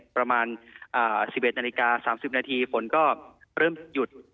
ประมาณ๑๑นาฬิกา๓๐นาทีฝนก็เริ่มหยุด